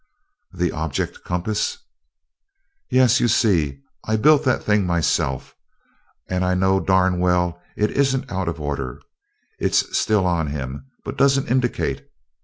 "That object compass?" "Yes. You see, I built that thing myself, and I know darn well it isn't out of order. It's still on him, but doesn't indicate.